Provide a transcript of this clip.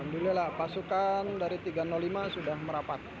dari hutan dawan korban sudah ditemukan